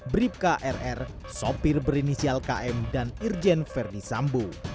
bribka r r sopir berinisial km dan irjen ferdisambu